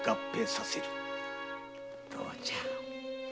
どうじゃ！